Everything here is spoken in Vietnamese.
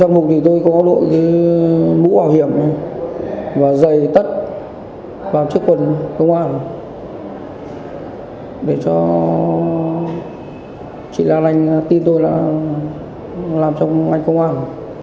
trong mục thì tôi có đội mũ bảo hiểm và dày tất vào chiếc quần công an để cho chị lan anh tin tôi đã làm trong ngành công an